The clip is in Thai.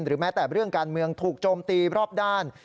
แม้แต่เรื่องการเมืองถูกโจมตีรอบด้าน